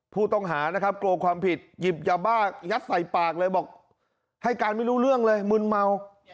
ผู้ต้องหานะครับกลัวความผิดหยิบยาบ้ายัดใส่ปากเลยบอกให้การไม่รู้เรื่องเลยมึนเมา